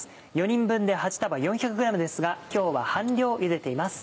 ４人分で８束４００ｇですが今日は半量ゆでています。